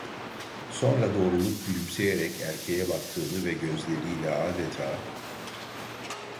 Sonra doğrulup gülümseyerek erkeğe baktığını ve gözleriyle adeta: